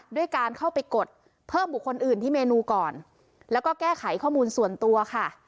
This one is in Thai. ด้วยการเข้าไปกดเพิ่มบุคคลอื่นที่เมนูก่อนแล้วก็แก้ไขข้อมูลส่วนตัวค่ะ